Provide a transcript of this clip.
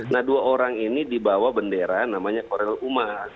nah dua orang ini dibawa bendera namanya korel umar